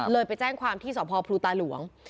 ไปแจ้งความที่สพพลูตาหลวง